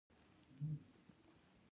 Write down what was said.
دا اصول خپل او بل وېش له منځه وړي.